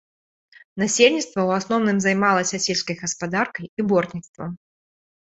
Насельніцтва ў асноўным займалася сельскай гаспадаркай і бортніцтвам.